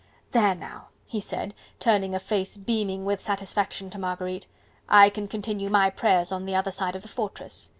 "There now!" he said, turning a face beaming with satisfaction to Marguerite, "I can continue my prayers on the other side of the fortress.